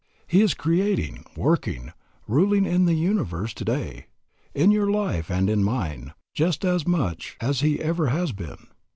He is creating, working, ruling in the universe today, in your life and in mine, just as much as He ever has been.